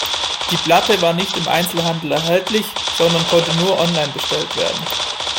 Die Platte war nicht im Einzelhandel erhältlich, sondern konnte nur online bestellt werden.